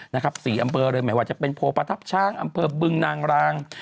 ๔อำเภอเลยหมายว่าจะเป็นโพลประทับช้างอำเภอบึงนางราง